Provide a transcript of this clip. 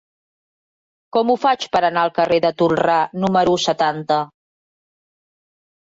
Com ho faig per anar al carrer de Tolrà número setanta?